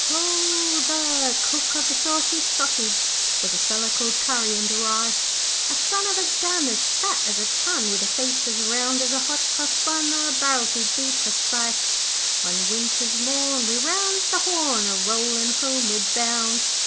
'Ho, the cook of the Saucy Sausage, Was a feller called Curry and Rice, A son of a gun as fat as a tun With a face as round as a hot cross bun, Or a barrel, to be precise. 'One winter's morn we rounds the Horn, A rollin' homeward bound.